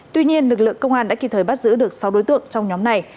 tuy nhiên lực lượng công an đã kịp thời bắt giữ được sáu đối tượng trong nhóm này